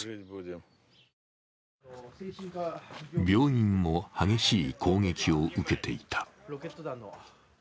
病院も激しい攻撃を受けていた。